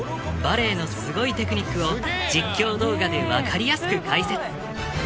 バレエのスゴいテクニックを実況動画で分かりやすく解説